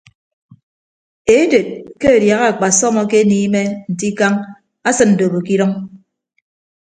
Eded ke adiaha akpasọm akeniime nte ikañ asịn ndobo ke idʌñ.